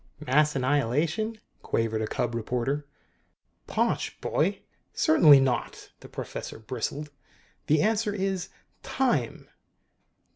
"Mass annihilation?" quavered a cub reporter. "Posh, boy! Certainly not!" The professor bristled. "The answer is TIME!"